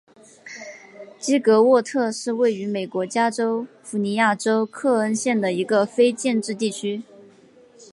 基洛沃特是位于美国加利福尼亚州克恩县的一个非建制地区。